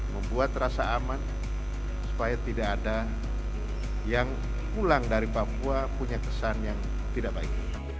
membuat rasa aman supaya tidak ada yang pulang dari papua punya kesan yang tidak baik